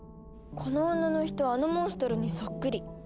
この女の人あのモンストロにそっくり。